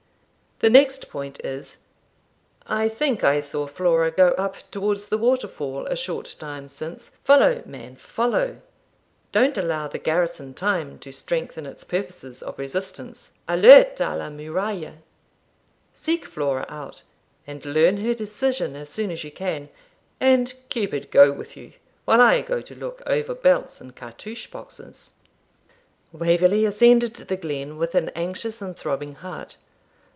The next point is I think I saw Flora go up towards the waterfall a short time since; follow, man, follow! don't allow the garrison time to strengthen its purposes of resistance. Alerte a la muraille! Seek Flora out, and learn her decision as soon as you can, and Cupid go with you, while I go to look over belts and cartouch boxes.' Waverley ascended the glen with an anxious and throbbing heart.